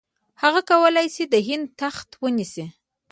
هغه کولای شي د هند تخت ونیسي.